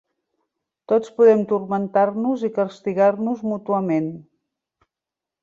Tots podem turmentar-nos i castigar-nos mútuament.